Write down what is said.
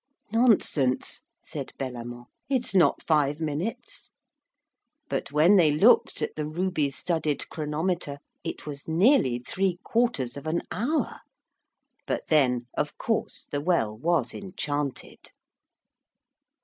'Nonsense,' said Bellamant, 'it's not five minutes.' But when they looked at the ruby studded chronometer, it was nearly three quarters of an hour. But then, of course, the well was enchanted!